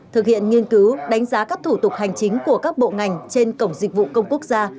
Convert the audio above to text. thực hiện nghiên cứu đánh giá các thủ tục hành chính của các bộ ngành trên cổng dịch vụ công quốc gia